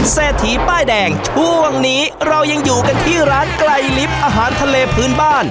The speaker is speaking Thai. เศรษฐีป้ายแดงช่วงนี้เรายังอยู่กันที่ร้านไกลลิฟต์อาหารทะเลพื้นบ้าน